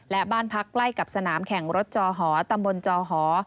และบ้านพักใกล้กับสนามแข่งรถจอหอตำบลจอหอ